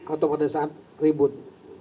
atau pada saat ribut